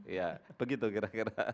ya begitu kira kira